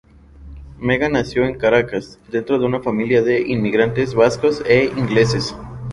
Megan nació en Caracas dentro de una familia de inmigrantes vascos e ingleses.